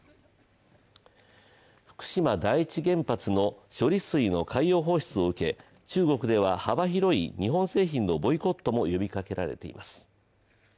福島第一原発の処理水の海洋放出を受け中国では幅広い日本製品のボイコットも呼びかけられています。